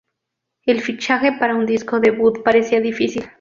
El fichaje para un disco debut parecía difícil.